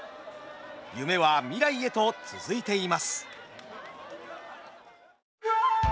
夢は未来へと続いています。